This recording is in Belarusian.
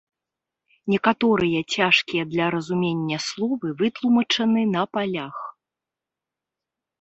Некаторыя цяжкія для разумення словы вытлумачаны на палях.